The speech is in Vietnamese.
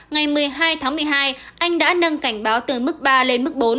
ngày một mươi hai tháng một mươi hai anh đã nâng cảnh báo từ mức ba lên mức bốn